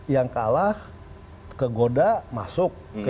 yang kalah kegoda masuk